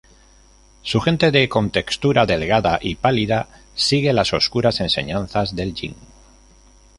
Su gente de contextura delgada y pálida sigue las oscuras enseñanzas del Yin.